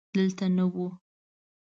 دلته نه و.